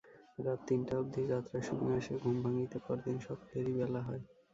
রাত তিনটা অবধি যাত্রা শুনিয়া আসিয়া ঘুম ভাঙিতে পরদিন সকলেরই বেলা হয়।